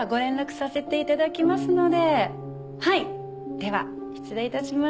では失礼致します。